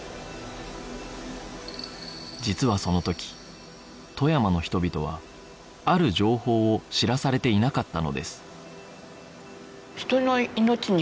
実はその時富山の人々はある情報を知らされていなかったのです